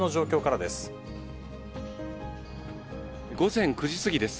午前９時過ぎです。